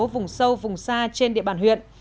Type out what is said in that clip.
vùng sâu vùng xa trên địa điểm